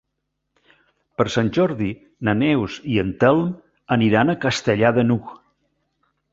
Per Sant Jordi na Neus i en Telm aniran a Castellar de n'Hug.